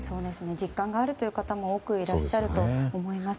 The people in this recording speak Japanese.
実感があるという方も多くいらっしゃると思います。